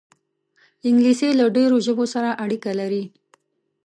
انګلیسي له ډېرو ژبو سره اړیکه لري